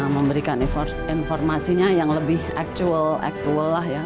memberikan informasinya yang lebih actual actual lah ya